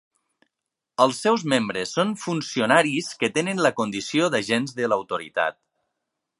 Els seus membres són funcionaris que tenen la condició d'agents de l'autoritat.